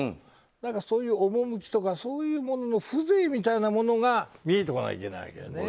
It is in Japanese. そういう趣とか、そういうものの風情みたいなものが見えてこなきゃいけないわけだよね。